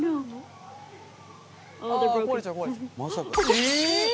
えっ！